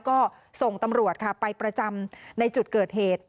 ก็ส่งตำรวจค่ะไปประจำในจุดเกิดเหตุ